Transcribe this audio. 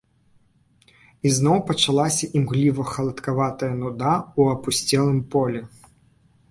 Ізноў пачалася імгліва-халадкаватая нуда ў апусцелым полі.